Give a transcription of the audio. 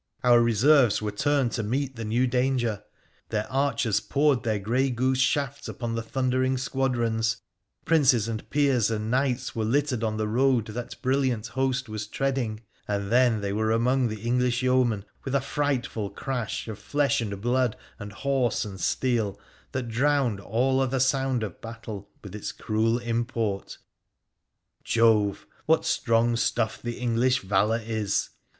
Our reserves were turned to meet the new danger ; the archers poured their greygoose shafts upon the thundering squadrons ; princes and peers and knights were littered on the road that brilliant host was treading — and then they were among the English yeomen with a frightful crash of flesh and blood and horse and steel that drowned all other sound of battle with its cruel import 1 Jove ! What strong stuff the English valour is